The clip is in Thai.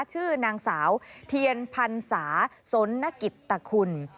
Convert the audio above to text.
ชื่อนางสาวเทียนพันศาสนนกิตคุณ